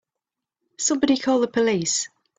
Somebody call the police!